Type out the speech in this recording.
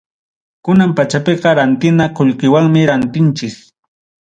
Kunan pachapiqa rantina qullqiwanmi rantinchik.